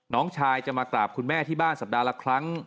น้องชายจะมากราบคุณแม่ที่บ้านสัปดาห์ละครั้ง